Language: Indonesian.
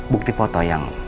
bukti foto yang